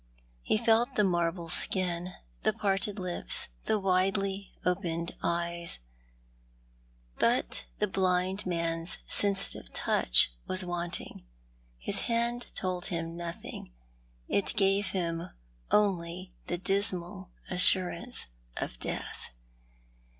He felt the marble skin, the parted lips, the widely opened eyes — but the blind man's sensitive touch was wanting. His hand told him nothing — it gave him only the dismal assurance of death.